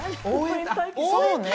そうね！